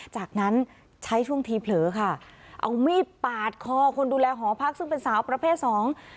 จากนั้นใช้ช่วงทีเผลอค่ะเอามีดปาดคอคนดูแลหอพักซึ่งเป็นสาวประเภทสอง